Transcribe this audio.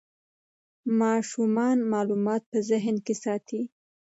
ماشومان معلومات په ذهن کې ساتي.